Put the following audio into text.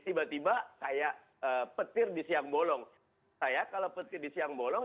tiba tiba kayak petir di siang bolong saya kalau petir di siang bolong